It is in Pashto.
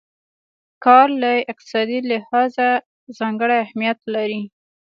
کار له اقتصادي لحاظه ځانګړی اهميت لري.